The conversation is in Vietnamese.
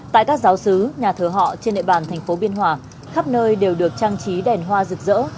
tại các giáo sứ nhà thờ họ trên địa bàn thành phố biên hòa khắp nơi đều được trang trí đèn hoa rực rỡ